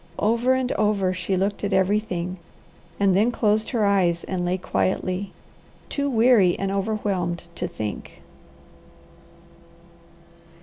Over and over she looked at everything, and then closed her eyes and lay quietly, too weary and overwhelmed to think.